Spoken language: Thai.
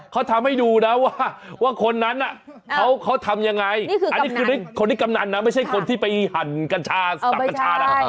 เขาทำไงของนั้นนะไม่ใช่คนที่ไปหั่นกันชาติ